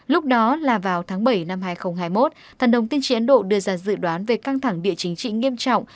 lúc đó là vào tháng bảy năm hai nghìn hai mươi một thần đồng tin chế ấn độ đưa ra dự đoán về căng thẳng địa chính trị nghiêm trọng